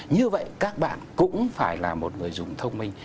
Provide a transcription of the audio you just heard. như vậy các bạn cũng phải là một người dùng thông minh